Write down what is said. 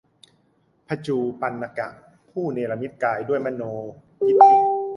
พระจูฬปันถกะ ผู้เนรมิตกายด้วยมโนมยิทธิ